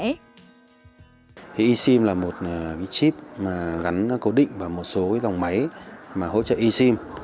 e sim là một chip gắn cố định vào một số dòng máy hỗ trợ e sim